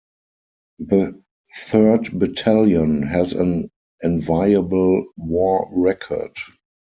The Third Battalion has an enviable war record.